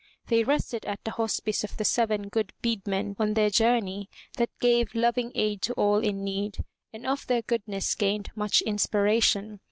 They rested at the Hospice of the Seven good Bead men on their journey, that gave loving aid to all in need, and of their goodness gained much inspiration.